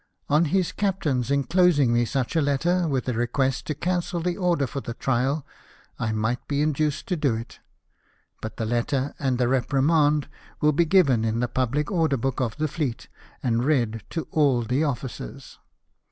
On his captain's enclosing me such a letter, with a request to cancel the order for the trial, I might be induced to do it ; but the letters and reprimand will be given in the pubhc order book of the fleet, and read to all the officers.